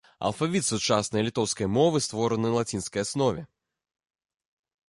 Алфавіт сучаснай літоўскай мовы створаны на лацінскай аснове.